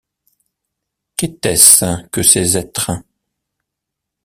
Qu’était-ce que ces êtres?